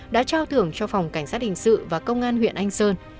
đã trao thưởng cho phòng cảnh sát hình sự và công an huyện anh sơn